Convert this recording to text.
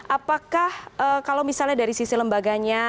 apakah kalau misalnya dari sisi lembaganya